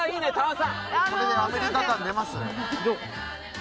これでアメリカ感出ます？